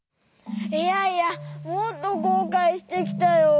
いやいやもっとこうかいしてきたよ。